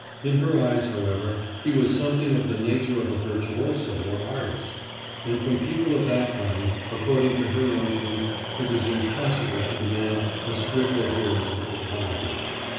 In her eyes, however, he was something of the nature of a virtuoso or artist; and from people of that kind, according to her notions, it was impossible to demand a strict adherence to propriety.